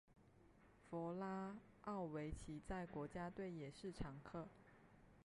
弗拉奥维奇在国家队也是常客。